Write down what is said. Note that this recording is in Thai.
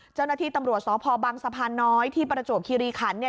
เจ้าหน้าที่ตำรวจสพบังสะพานน้อยที่ประจวบคิริขันเนี่ย